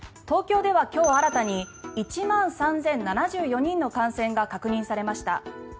東京では今日新たに１万３０７４人の感染が確認されました。